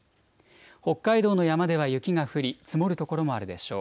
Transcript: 北海道の山では雪が降り積もる所もあるでしょう。